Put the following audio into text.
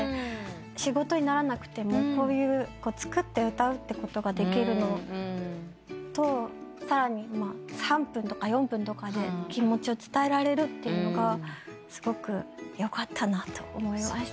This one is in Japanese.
仕事にならなくても作って歌うってことができるのとさらに３分とか４分とかで気持ちを伝えられるというのがすごくよかったなと思いました。